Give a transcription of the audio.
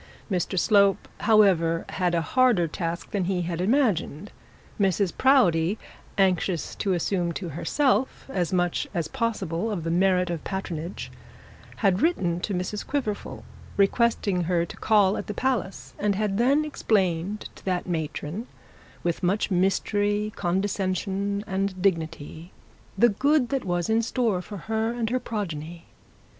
Mr Slope, however, had a harder task than he had imagined. Mrs Proudie, anxious to assume to herself as much as possible of the merit of patronage, had written to Mrs Quiverful, requesting her to call at the palace; and had then explained to that matron, with much mystery, condescension, and dignity, the good that was in store for her and her progeny.